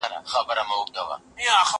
له امیده یې د زړه خونه خالي سوه